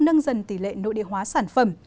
nâng dần tỷ lệ nội địa hóa sản phẩm